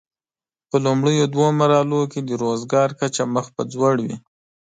په لومړیو دوو مرحلو کې د روزګار کچه مخ پر ځوړ وي.